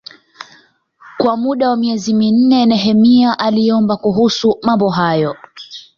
Kwa muda wa miezi minne Nehemia aliomba kuhusu mambo hayo.